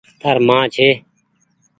تآر مان ڇي ۔